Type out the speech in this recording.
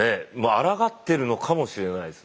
あらがってるのかもしれないです。